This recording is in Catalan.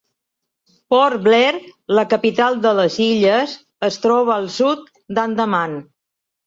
Port Blair, la capital de les illes, es troba al sud d'Andaman.